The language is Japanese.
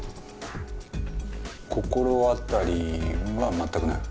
心当たりは全くない？